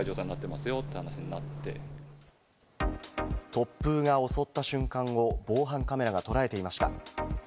突風が襲った瞬間を防犯カメラが捉えていました。